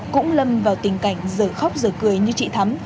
cũng lâm vào tình cảnh giờ khóc giờ cười như chị thắm